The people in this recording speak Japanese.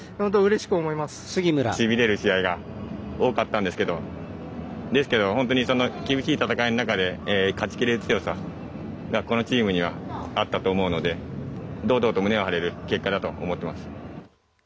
しびれる試合が多かったんですけどですけど本当に厳しい戦いの中で勝ちきれる強さがこのチームにはあったと思うので堂々と胸を張れる結果だと思っています。